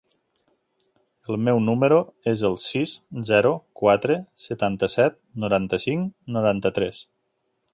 El meu número es el sis, zero, quatre, setanta-set, noranta-cinc, noranta-tres.